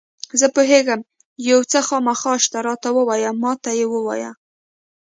زه پوهېږم یو څه خامخا شته، راته ووایه، ما ته یې ووایه.